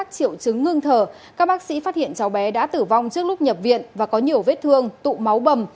trong khi đó các bác sĩ phát hiện cháu bé đã tử vong trước lúc nhập viện và có nhiều vết thương tụ máu bầm